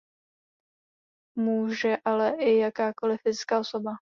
Může ale i jakákoli fyzická osoba.